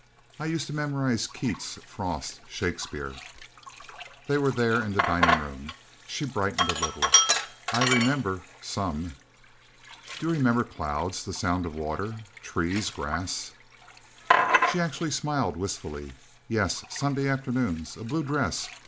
I used to memorize Keats, Frost, Shakespeare." They were there in the dining room. She brightened a little. "I remember some." "Do you remember clouds, the sound of water? Trees, grass...?" She actually smiled, wistfully. "Yes. Sunday afternoons. A blue dress.